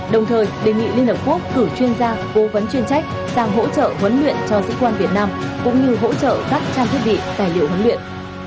đồng thời đề nghị liên hợp quốc cử chuyên gia cố vấn chuyên trách sang hỗ trợ huấn luyện cho sĩ quan việt nam cũng như hỗ trợ các trang thiết bị tài liệu huấn luyện